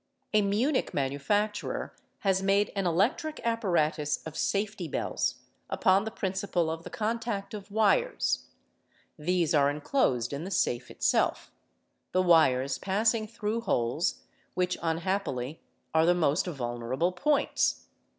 A Munich manufacturer has made an electric apparatus of safety bells, upon the principle of the contact of j wires; these are enclosed in the safe itself, the wires passing through — holes, which unhappily are the most vulnerable points.